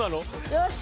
よし！